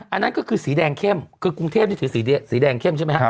อันนั้นก็คือสีแดงเข้มคือกรุงเทพนี่ถือสีแดงเข้มใช่ไหมครับ